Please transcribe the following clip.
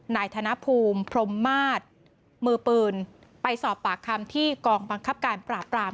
ธนภูมิพรมมาศมือปืนไปสอบปากคำที่กองบังคับการปราบปราม